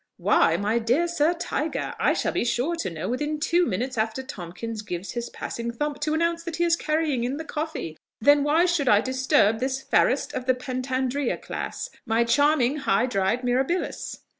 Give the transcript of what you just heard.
"Why, my dear Sir Tiger, I shall be sure to know within two minutes after Tomkins gives his passing thump to announce that he is carrying in the coffee; then why should I disturb this fairest of the Pentandria class? my charming high dried mirabilis?"